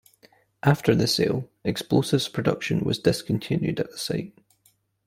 After the sale, explosives production was discontinued at the site.